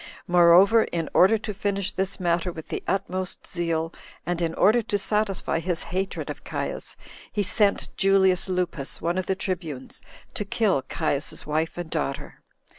Moreover, in order to finish this matter with the utmost zeal, and in order to satisfy his hatred of Caius, he sent Julius Lupus, one of the tribunes, to kill Caius's wife and daughter.